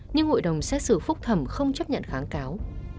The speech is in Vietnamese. nhưng hội đồng xét xử phúc thẩm không chấp nhận kháng cáo